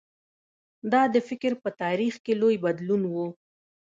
دا د فکر په تاریخ کې لوی بدلون و.